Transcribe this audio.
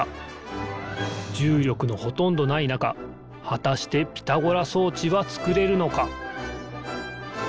じゅうりょくのほとんどないなかはたしてピタゴラそうちはつくれるのか？